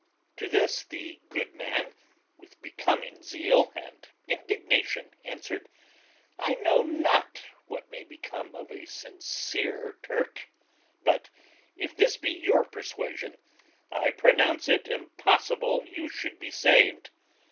To this the good man, with becoming zeal and indignation, answered, I know not what may become of a sincere Turk; but, if this be your persuasion, I pronounce it impossible you should be saved.